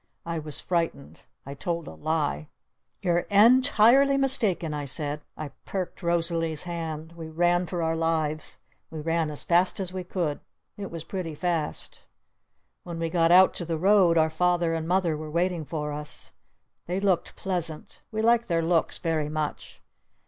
I was frightened. I told a lie. "You're en tirely mistaken!" I said. I perked Rosalee's hand. We ran for our lives. We ran as fast as we could. It was pretty fast! When we got out to the Road our Father and Mother were waiting for us. They looked pleasant. We liked their looks very much.